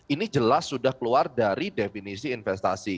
ini jelas sudah keluar dari definisi investasi